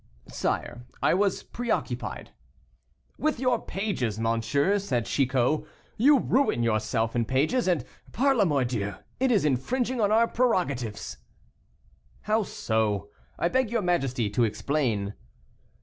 "Sire, I was preoccupied." "With your pages, monsieur," said Chicot; "you ruin yourself in pages, and, par la mordieu, it is infringing our prerogatives." "How so? I beg your majesty to explain."